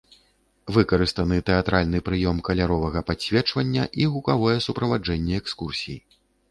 Выкарыстаны тэатральны прыём каляровага падсвечвання і гукавое суправаджэнне экскурсій.